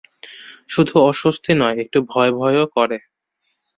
শুধু অস্বস্তি নয়, একটু ভয়ভয়ও করে।